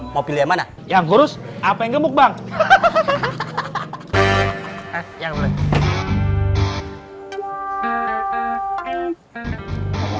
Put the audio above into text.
mobilnya mana yang kurus apa yang gemuk bang hahaha hahaha hahaha